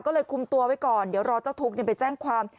ก็เลยคุมตัวไว้ก่อนเดี๋ยวรอเจ้าทุกข์ไปแจ้งความ